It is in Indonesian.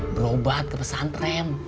berobat ke pesantren